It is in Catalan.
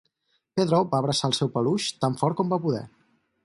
Pedro va abraçar el seu peluix tan fort com va poder.